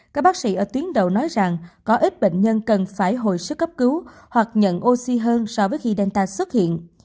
các bác sĩ ở tuyến đầu nói rằng có ít bệnh nhân cần phải hồi sức cấp cứu hoặc nhận oxy hơn so với khi delta xuất hiện